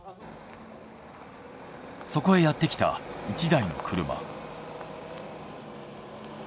そこへやってきた１台の車。